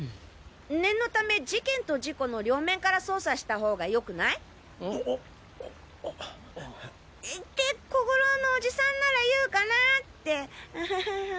念のため事件と事故の両面から捜査した方がよくない？って小五郎のおじさんなら言うかなってあはは。